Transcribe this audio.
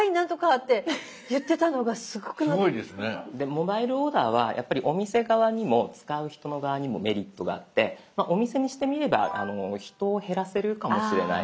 モバイルオーダーはやっぱりお店側にも使う人の側にもメリットがあってお店にしてみれば人を減らせるかもしれない。